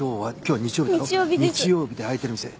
日曜日で空いてる店。